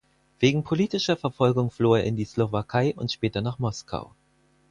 Wegen politischer Verfolgung floh er in die Slowakei und später nach Moskau.